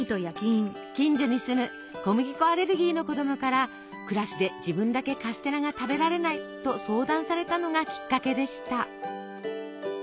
近所に住む小麦粉アレルギーの子供からクラスで自分だけカステラが食べられないと相談されたのがきっかけでした。